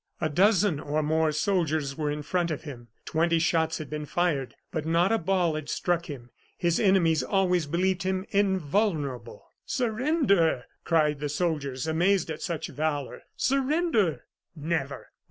A dozen or more soldiers were in front of him. Twenty shots had been fired, but not a ball had struck him. His enemies always believed him invulnerable. "Surrender!" cried the soldiers, amazed by such valor; "surrender!" "Never!